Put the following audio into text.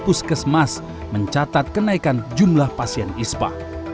puskesmas mencatat kenaikan jumlah pasien ispa